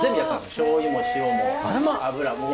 しょうゆも塩も油も。